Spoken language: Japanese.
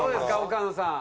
岡野さん。